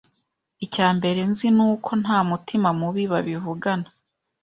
Icya mbere nzi ni uko nta mutima mubi babivugana,